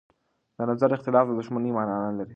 د نظر اختلاف د دښمنۍ مانا نه لري